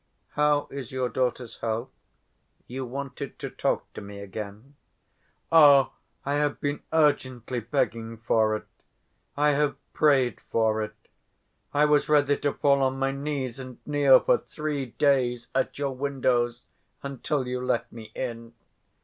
"How is your daughter's health? You wanted to talk to me again?" "Oh, I have been urgently begging for it, I have prayed for it! I was ready to fall on my knees and kneel for three days at your windows until you let me in.